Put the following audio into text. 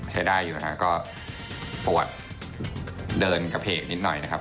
ใช้ได้อยู่นะฮะก็ปวดเดินกระเพกนิดหน่อยนะครับ